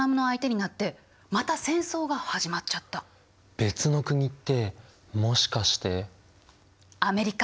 別の国ってもしかして。